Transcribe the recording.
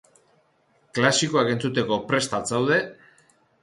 Klasikoak entzuteko prest al zaude?